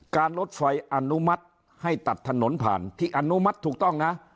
รถไฟอนุมัติให้ตัดถนนผ่านที่อนุมัติถูกต้องนะ